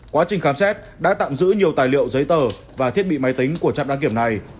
quá trình khám xét đã tạm giữ nhiều tài liệu giấy tờ và thiết bị máy tính của trạm đăng kiểm này